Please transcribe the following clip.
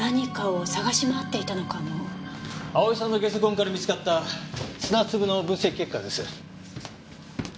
蒼さんのゲソ痕から見つかった砂粒の分析結果です。